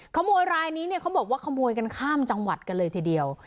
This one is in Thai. ขโมยรายนี้เนี่ยเขาบอกว่าขโมยกันข้ามจังหวัดกันเลยทีเดียว